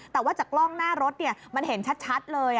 แต่ว่าจากกล้องหน้ารถมันเห็นชัดเลย